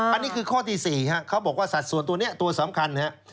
อันนี้คือข้อที่๔ครับเขาบอกว่าสัดส่วนตัวนี้ตัวสำคัญนะครับ